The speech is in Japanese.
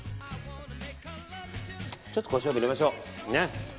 ちょっとコショウも入れましょう。